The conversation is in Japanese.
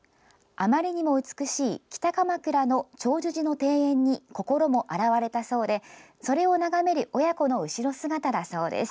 あまりにも美しい北鎌倉の長寿寺の庭園に心も洗われたそうで、それを眺める親子の後ろ姿だそうです。